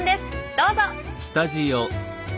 どうぞ。